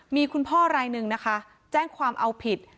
มีคุณพ่อรายหนึ่งนะคะแจ้งความเอาผิด